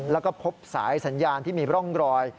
แล้วก็พบสายสัญญาณที่มีร่องรอย